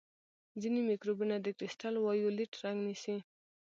ځینې مکروبونه د کرسټل وایولېټ رنګ نیسي.